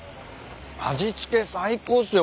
味付け最高っすよ